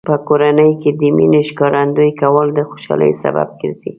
په کورنۍ کې د مینې ښکارندوی کول د خوشحالۍ سبب ګرځي.